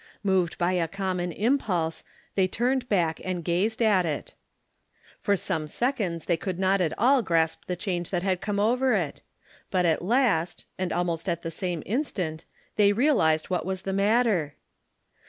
Moved by a common impulse, they turned back and gazed at it. For some seconds they could not at all grasp the change that had come over it but at last, and almost at the same instant, they realized what was the matter.